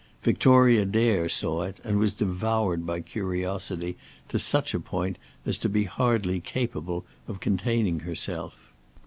Victoria Dare saw it and was devoured by curiosity to such a point as to be hardly capable of containing herself.